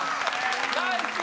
ナイス！